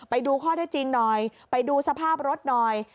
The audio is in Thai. ไปดูข้อเท็จจริงหน่อยไปดูสภาพรถหน่อย